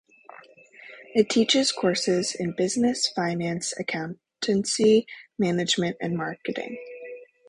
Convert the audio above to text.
It teaches courses in business, finance, accountancy, management and marketing.